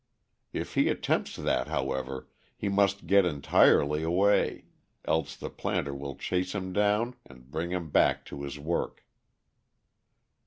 If he attempts that, however, he must get entirely away, else the planter will chase him down and bring him back to his work.